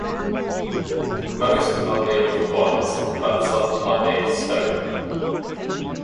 Most are made of bronze but some are made of stone.